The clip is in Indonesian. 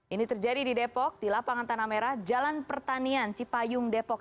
ini terjadi di depok di lapangan tanah merah jalan pertanian cipayung depok